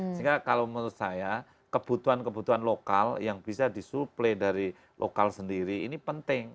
sehingga kalau menurut saya kebutuhan kebutuhan lokal yang bisa disuplai dari lokal sendiri ini penting